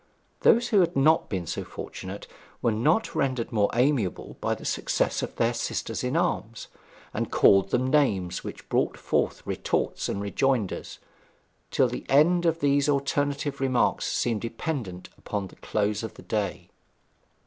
Those who had not been so fortunate were not rendered more amiable by the success of their sisters in arms, and called them names which brought forth retorts and rejoinders; till the end of these alternative remarks seemed dependent upon the close of the day.